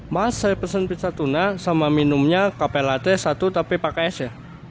mas saya pesen pizza tuna sama minumnya kpl at satu tapi pakai es ya